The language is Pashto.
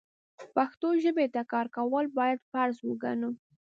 پښتو ژبې ته کار کول بايد فرض وګڼو.